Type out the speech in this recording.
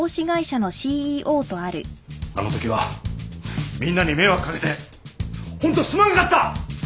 あのときはみんなに迷惑かけてホントすまんかった！